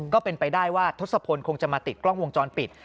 ก็เป็นไปได้ว่าทศพลคงจะมาติดกล้องวงจรปิด